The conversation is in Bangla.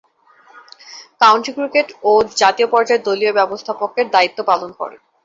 কাউন্টি ক্রিকেট ও জাতীয় পর্যায়ে দলীয় ব্যবস্থাপকের দায়িত্ব পালন করেন।